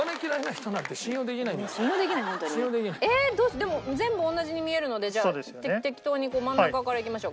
でも全部同じに見えるのでじゃあ適当に真ん中からいきましょう。